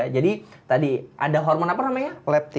jadi tadi ada hormon apa namanya